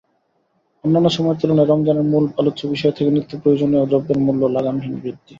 অন্যান্য সময়ের তুলনায় রমজানের মূল আলোচ্য বিষয় থাকে নিত্যপ্রয়োজনীয় দ্রব্যের মূল্য লাগামহীন বৃদ্ধি।